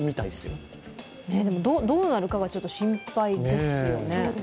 どうなるかがちょっと心配ですよね。